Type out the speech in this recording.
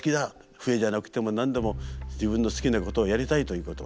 笛じゃなくても何でも自分の好きなことをやりたいということをね